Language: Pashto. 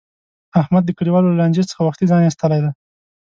احمد د کلیوالو له لانجې څخه وختي ځان ایستلی دی.